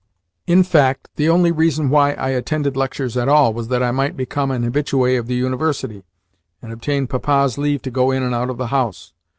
In fact, the only reason why I attended lectures at all was that I might become an habitue of the University, and obtain Papa's leave to go in and out of the house.